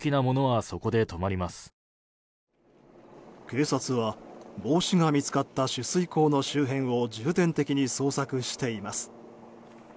警察は帽子が見つかった取水口の周辺を重点的に捜索しています。